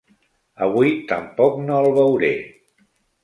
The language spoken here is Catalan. Avui tampoc no el veuré.